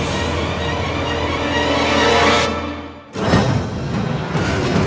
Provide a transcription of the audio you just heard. เจ้าแย้งพวกเขา